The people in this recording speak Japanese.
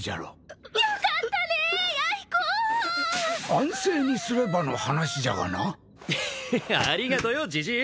安静にすればの話じゃがな。ヘヘありがとよジジイ。